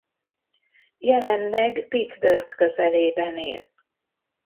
Jelenleg Pittsburgh közelében él.